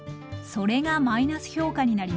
それがマイナス評価になりました。